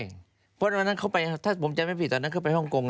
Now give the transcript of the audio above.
นะครับเพราะว่านั้นเข้าไปถ้าอย่างที่ผมจะไม่ผิดตอนนั้นเข้าไปฮของกง